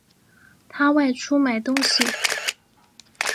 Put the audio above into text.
他外出买东西